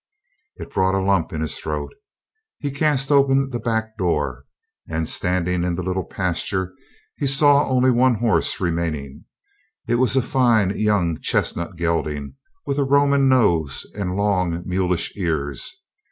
It brought a lump in his throat. He cast open the back door, and, standing in the little pasture, he saw only one horse remaining. It was a fine, young chestnut gelding with a Roman nose and long, mulish ears.